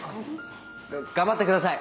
頑張ってください。